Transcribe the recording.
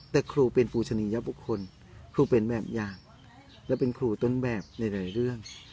แต่ครูเป็นปูชนียบุคคลครูเป็นแบบอย่างและเป็นครูต้นแบบหลายเรื่อง